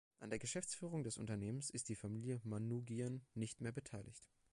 An der Geschäftsführung des Unternehmens ist die Familie Manoogian nicht mehr beteiligt.